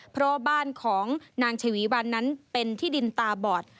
เพราะว่าบ้านของนางชวีวันนั้นเป็นที่ดินตาบอด